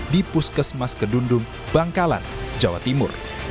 di puskesmas kedundung bangkalan jawa timur